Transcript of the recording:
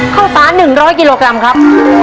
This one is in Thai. ข้าวสาร๑๐๐กิโลกรัมครับ